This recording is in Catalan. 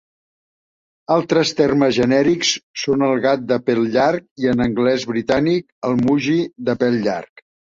Altres termes genèrics són el gat de pèl llarg i, en anglès britànic, el moggie de pèl llarg.